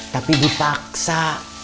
tapi bu paksa